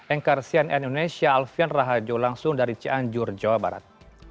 engkar cnn indonesia alfian rahajo langsung dari cianjur jawa barat